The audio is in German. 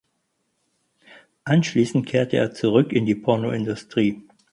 Anschließend kehrte er zurück in die Pornoindustrie.